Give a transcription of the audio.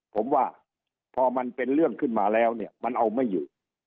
ผมว่าพอมันเป็นเรื่องขึ้นมาแล้วเนี่ยมันเอาไม่อยู่